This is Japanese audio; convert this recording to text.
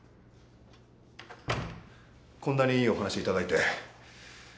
こんなにいいお話頂いて。